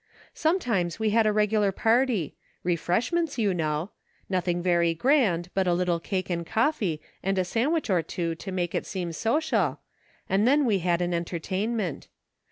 Sometimes we had a regular party ; refreshments, you know ; nothing very grand, but a little cake and coffee, and a sandwich or two to make it seem social, and then we had an entertainment.